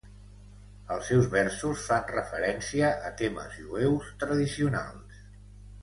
Els seus versos fan referència a temes jueus tradicionals.